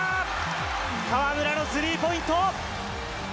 河村のスリーポイント。